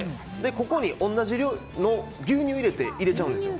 ここに同じ量の牛乳を入れちゃうんです。